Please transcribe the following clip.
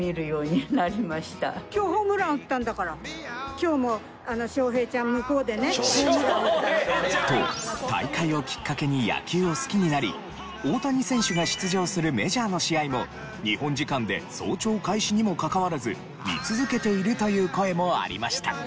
今日も。と大会をきっかけに野球を好きになり大谷選手が出場するメジャーの試合も日本時間で早朝開始にもかかわらず見続けているという声もありました。